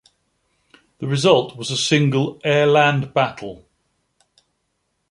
The result was a single AirLand Battle.